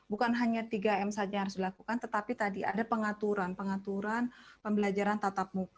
bukan hanya tiga m saja yang harus dilakukan tetapi tadi ada pengaturan pengaturan pembelajaran tatap muka